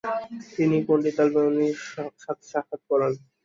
তিনি পণ্ডিত আল বেরুনির সাথে সাক্ষাৎ করেন।